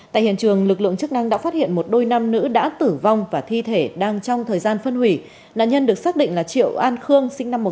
tại hiện trường lực lượng chức năng đã phát hiện một đôi nam nữ đã tử vong và thi thể đang trong thời gian phát triển